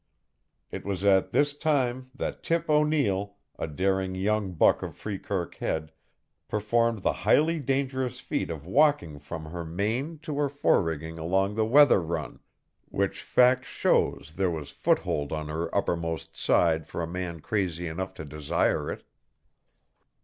It was at this time that Tip O'Neill, a daring young buck of Freekirk Head, performed the highly dangerous feat of walking from her main to her forerigging along the weather run, which fact shows there was foothold on her uppermost side for a man crazy enough to desire it.